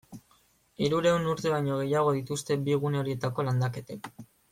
Hirurehun urte baino gehiago dituzte bi gune horietako landaketek.